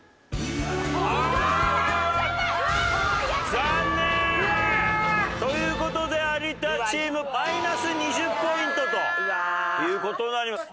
残念！という事で有田チームマイナス２０ポイントという事になります。